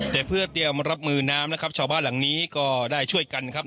แต่เพื่อเตรียมรับมือน้ำนะครับชาวบ้านหลังนี้ก็ได้ช่วยกันครับ